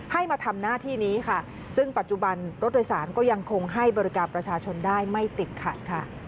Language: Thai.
มาทำหน้าที่นี้ค่ะซึ่งปัจจุบันรถโดยสารก็ยังคงให้บริการประชาชนได้ไม่ติดขัดค่ะ